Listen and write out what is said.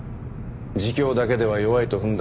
自供だけでは弱いと踏んだ